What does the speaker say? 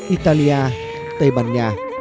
italia tây ban nha